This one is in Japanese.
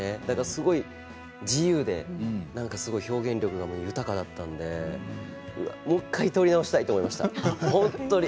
すごく自由で表現力が豊かだったのでもう１回とり直したいと思いました本当に。